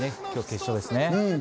今日、決勝ですね。